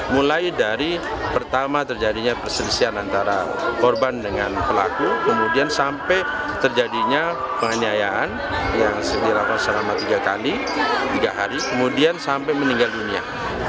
mulai dari pertama terjadinya perselisihan antara korban dengan pelaku kemudian sampai terjadinya penganiayaan yang dilakukan selama tiga kali tiga hari kemudian sampai meninggal dunia